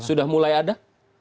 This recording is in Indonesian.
sudah mulai ada